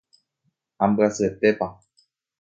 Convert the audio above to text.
Ambyasyetépa.